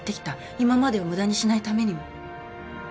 今までを無駄にしないためにも。